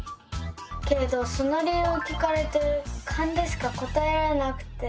けれどその理由を聞かれてカンでしか答えられなくて。